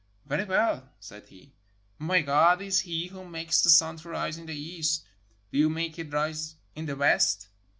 "Very well," said he, "my God is he who makes the sun to rise in the east ; do you make it rise in the west."